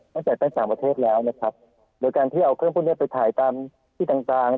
ตั้งแต่ตั้งสามประเทศแล้วนะครับโดยการที่เอาเครื่องพวกเนี้ยไปถ่ายตามที่ต่างต่าง